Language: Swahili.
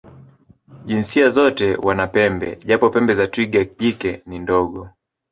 Jinsia zote wana pembe, japo pembe za twiga jike ni ndogo.